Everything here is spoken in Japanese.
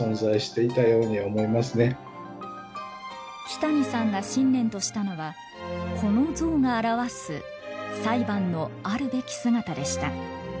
木谷さんが信念としたのはこの像が表わす裁判のあるべき姿でした。